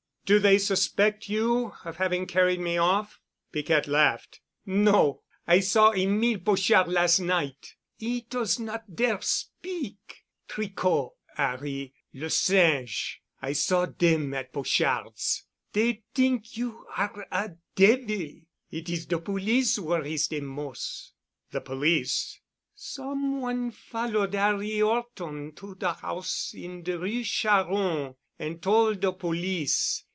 Do they suspect you of having carried me off?" Piquette laughed. "No. I saw Émile Pochard las' night. 'E does not dare speak. Tricot, 'Arry, Le Singe—I saw dem at Pochard's. Dey t'ink you are a devil. It is de police worries dem mos'." "The police?" "Some one followed 'Arry 'Orton to de house in de Rue Charron and tol' de police.